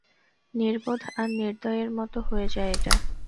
নির্বোধ আর নির্দয় এর মতো হয়ে যায় এটা।